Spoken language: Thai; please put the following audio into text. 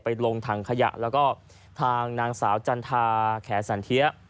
ลงถังขยะแล้วก็ทางนางสาวจันทาแขสันเทีย